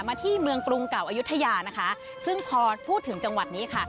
ที่เมืองกรุงเก่าอายุทยานะคะซึ่งพอพูดถึงจังหวัดนี้ค่ะ